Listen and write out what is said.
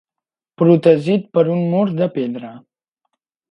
Protegit per un mur de pedra.